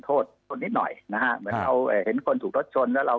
โทษคนนิดหน่อยนะฮะเหมือนเราเห็นคนถูกรถชนแล้วเรา